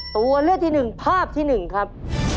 ตัวเลือกที่หนึ่งภาพที่หนึ่งครับ